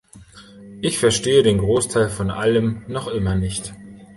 Ich verstehe den Großteil von allem noch immer nicht.